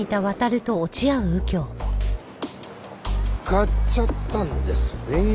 買っちゃったんですね。